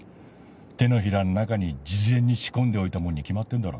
手のひらの中に事前に仕込んでおいたもんに決まってんだろ。